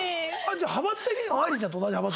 じゃあ派閥的には愛理ちゃんと同じ派閥。